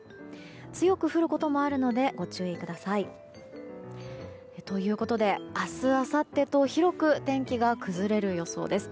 強く降ることもあるのでご注意ください。ということで、明日、あさってと広く天気が崩れる予想です。